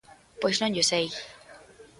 Pois non llo sei.